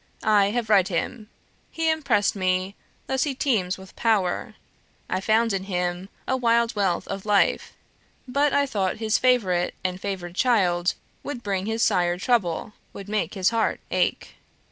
I have read him. He impressed me thus he teems with power; I found in him a wild wealth of life, but I thought his favourite and favoured child would bring his sire trouble would make his heart ache.